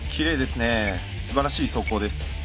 すばらしい走行です。